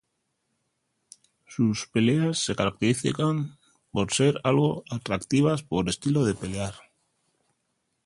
Sus peleas se caracterizan por ser algo atractivas por su estilo de pelear.